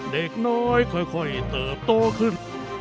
เด็กน้อยค่อยเติบโตขึ้น